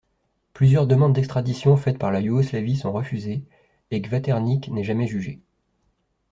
Plusieurs demandes d'extradition faites par la Yougoslavie sont refusées, et Kvaternik n'est jamais jugé.